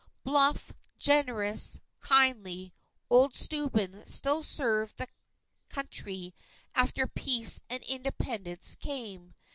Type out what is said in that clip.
Bluff, generous, kindly, old Steuben still served the Country after peace and Independence came.